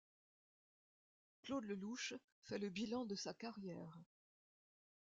Claude Lelouch fait le bilan de sa carrière.